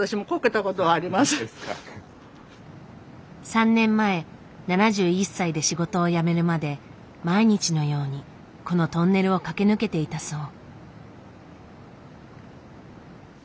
３年前７１歳で仕事を辞めるまで毎日のようにこのトンネルを駆け抜けていたそう。